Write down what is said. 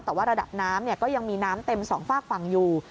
แต่ว่าระดับน้ำก็ยังมีน้ำเต็มสองฝากฝั่งอยู่